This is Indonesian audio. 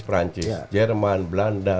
perancis jerman belanda